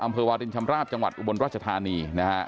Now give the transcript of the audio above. อำเภอวาดินชำราบจังหวัดอุบลรัชธานี